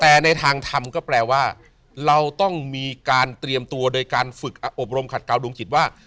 แต่ในทางทำก็แปลว่าเราต้องมีการเตรียมตัวโดยการฝึกอบรมขัดกาวดวงจิตว่า